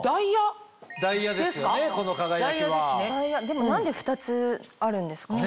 でも何で２つあるんですか？